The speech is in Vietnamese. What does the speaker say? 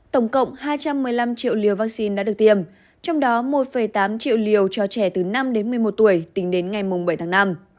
tổng cộng hai trăm một mươi năm triệu liều vaccine đã được tiêm trong đó một tám triệu liều cho trẻ từ năm đến một mươi một tuổi tính đến ngày bảy tháng năm